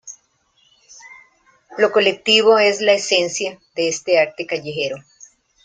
Lo colectivo es la esencia de este arte callejero.